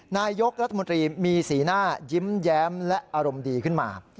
นายกรัฐมนตรีมีสีหน้ายิ้มแย้มและอารมณ์ดีขึ้นมา